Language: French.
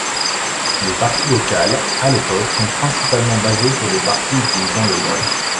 Les parties vocales, à l'époque, sont principalement basées sur des parties utilisant le grunt.